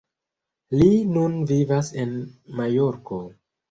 Li nun vivas en Majorko.